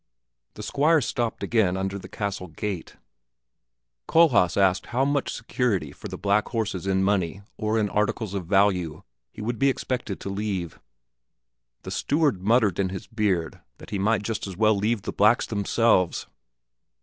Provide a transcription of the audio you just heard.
The Squire stopped again under the castle gate. Kohlhaas asked how much security for the black horses in money or in articles of value he would be expected to leave. The steward muttered in his beard that he might just as well leave the blacks themselves.